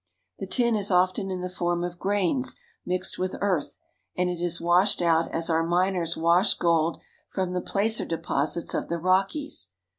The tin is often in the form of grains mixed with earth, and it is washed out as our miners wash. gold from tjie placer deposits of the Rockies.